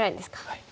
はい。